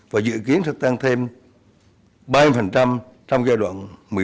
và dự kiến sẽ tăng thêm ba mươi trong giai đoạn một mươi ba hai nghìn hai mươi năm